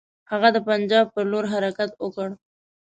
هغه د پنجاب پر لور حرکت وکړ.